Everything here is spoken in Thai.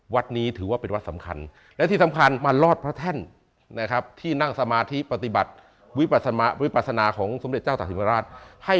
วัดนี้ถือว่าเป็นวัดสำคัญและที่สำคัญมารอดพระแท่นนะครับที่นั่งสมาธิปฏิบัติวิปัสนาของสมเด็จเจ้าตาศิวราชให้